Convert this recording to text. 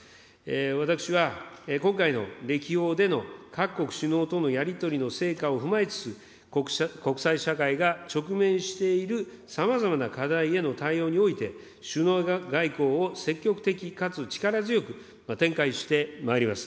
私は今回の歴訪での各国首脳とのやり取りの成果を踏まえつつ、国際社会が直面しているさまざまな課題への対応において、首脳外交を積極的かつ力強く展開してまいります。